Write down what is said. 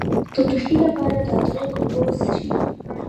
د ټوخي لپاره د ادرک اوبه وڅښئ